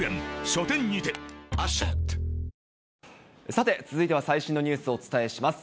さて、続いては最新のニュースをお伝えします。